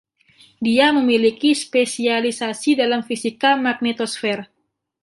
Dia memiliki spesialisasi dalam fisika magnetosfer.